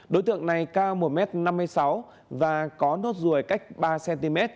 đối tượng này cao một m năm mươi sáu và có nốt ruồi cách ba cm